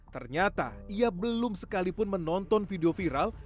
ternyata ia belum sekalipun menonton video viral